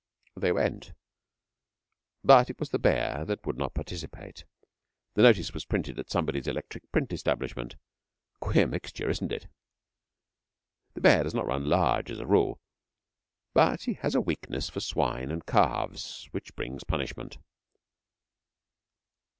They went, but it was the bear that would not participate. The notice was printed at somebody's Electric Print Establishment. Queer mixture, isn't it? The bear does not run large as a rule, but he has a weakness for swine and calves which brings punishment.